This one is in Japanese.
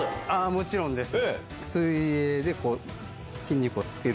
もちろんです。